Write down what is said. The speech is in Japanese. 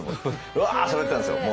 うわしゃべってたんですよ。